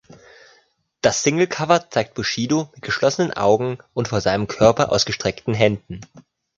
Das Singlecover zeigt Bushido mit geschlossenen Augen und vor seinem Körper ausgestreckten Händen.